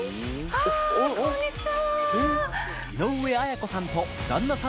あっこんにちは！